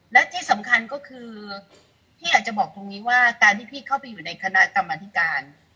และที่สำคัญก็คือพี่อยากจะบอกตรงนี้ว่าการที่พี่เข้าไปอยู่ในคณะกรรมธิการ